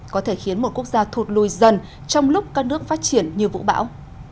có thể khiến một quốc gia thụt lùi dần trong lúc các nước phát triển như vũ bão